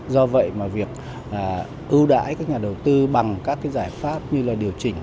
do vậy mà việc ưu đãi các nhà đầu tư bằng các cái giải pháp như là điều chỉnh